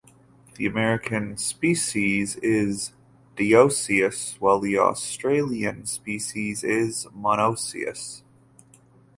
The American species is dioecious, while the Australasian species is monoecious.